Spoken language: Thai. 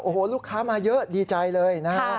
โอ้โหลูกค้ามาเยอะดีใจเลยนะฮะ